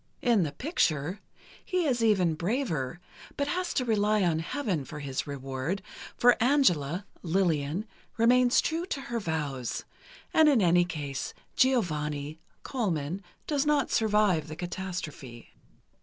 In the picture, he is even braver, but has to rely on Heaven for his reward, for Angela (Lillian) remains true to her vows, and in any case, Giovanni (Colman) does not survive the catastrophe.